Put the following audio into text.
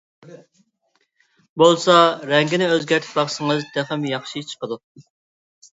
بولسا رەڭگىنى ئۆزگەرتىپ باقسىڭىز تېخىمۇ ياخشى چىقىدۇ.